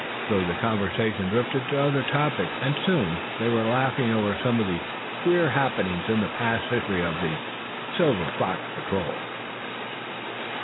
So the conversation drifted to other topics; and soon they were laughing over some of the queer happenings in the past history of the Silver Fox Patrol.